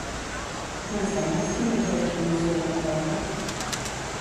M'ensenyes quina és la definició de naveta?